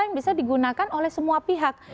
yang bisa digunakan oleh semua pihak